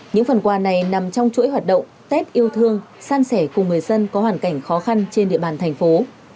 những phần quà này nằm trong chuỗi hoạt động tết yêu thương san sẻ cùng người dân có hoàn cảnh khó khăn trên địa bàn thành phố